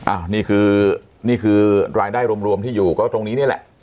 อันนี้คือรายได้รวมที่อยู่ก็ตรงนี้เนี่ยแหละ